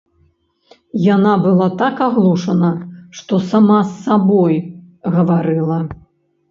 Яна была так аглушана, што сама з сабой гаварыла.